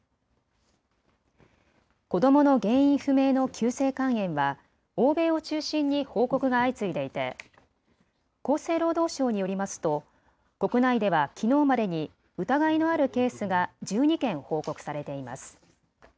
子どもの原因不明の急性肝炎は欧米を中心に報告が相次いでいて厚生労働省によりますと国内ではきのうまでに疑いのあるケースが１２件報告されています。